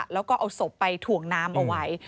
แล้วก็เอาศพไปถ่วงน้ำเอาไว้